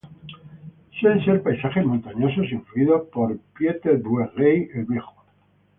Suelen ser paisajes montañosos, influidos por Pieter Brueghel el Viejo.